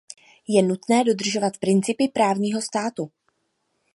Je nutné dodržovat principy právního státu.